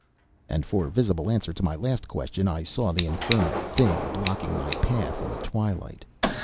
And for visible answer to my last question I saw the infernal Thing blocking my path in the twilight.